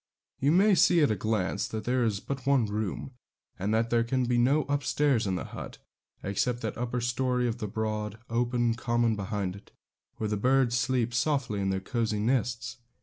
You may see at a glance that there is but one room, and that there can be no up stairs to the hut, except that upper storey of the broad, open common behind it, where the birds sleep softly in their cosy nests.